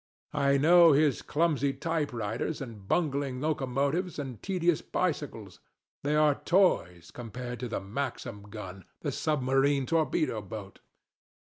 I know his clumsy typewriters and bungling locomotives and tedious bicycles: they are toys compared to the Maxim gun, the submarine torpedo boat.